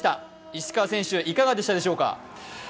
石川選手、いかがでしたでしょうか